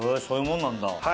そういうもんなんだ。